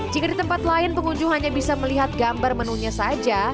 jika di tempat lain pengunjung hanya bisa melihat gambar menunya saja